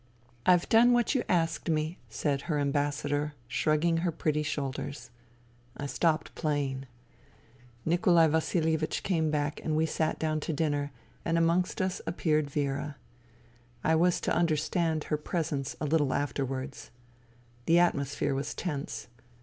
" I've done what you asked me," said her ambas sador, shrugging her pretty shoulders. I stopped playing. THE THREE SISTERS 45 Nikolai Vasilievich came back and we sat down to dinner, and amongst us appeared Vera. I was to understand her presence a little afterwards. The atmosphere was tense.